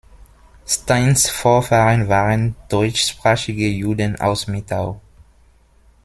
Steins Vorfahren waren deutschsprachige Juden aus Mitau.